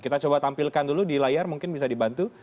kita coba tampilkan dulu di layar mungkin bisa dibantu